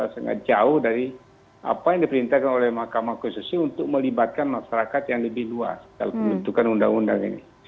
sangat jauh dari apa yang diperintahkan oleh mahkamah konstitusi untuk melibatkan masyarakat yang lebih luas dalam pembentukan undang undang ini